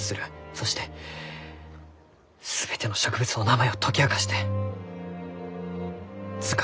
そして全ての植物の名前を解き明かして図鑑に永久に刻む。